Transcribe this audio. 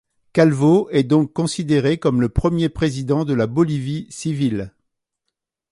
Calvo est donc considéré comme le premier président de la Bolivie civil.